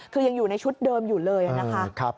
คือยังอยู่ในชุดเดิมอยู่เลยนะคะ